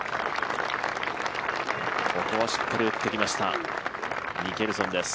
ここはしっかり打ってきました、ミケルソンです。